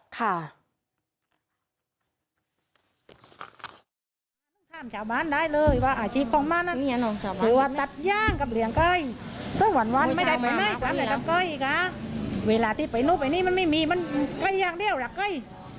ปลายนุบไอนี่มันไม่มีมันใกล้อย่างเดียวหลักใกล้